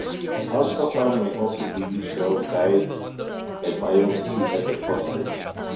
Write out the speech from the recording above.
Ultrasound may also be used to help guide a biopsy of the prostate.